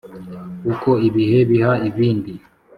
uko ibihe biha ibindi